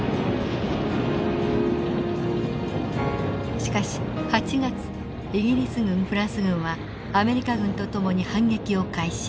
しかし８月イギリス軍フランス軍はアメリカ軍と共に反撃を開始。